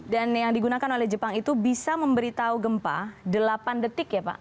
nah yang digunakan oleh jepang itu bisa memberi tahu gempa delapan detik ya pak